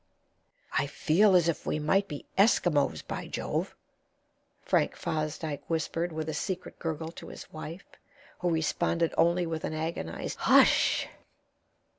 "I feel as if we might be Eskimos, by Jove!" Frank Fosdyke whispered with a secret gurgle to his wife, who responded only with an agonized "Hush!"